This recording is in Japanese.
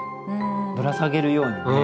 ぶら下げるようにね。